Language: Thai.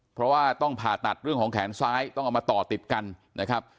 เพราะว่าต้องผ่าตัดเรื่องของแขนซ้ายต้องเอามาต่อติดกันนะครับ